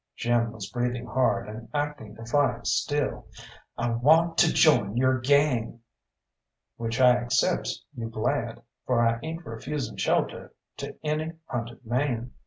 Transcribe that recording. Jim was breathing hard and acting defiant still. "I want to join your gang!" "Which I accepts you glad, for I ain't refusing shelter to any hunted man."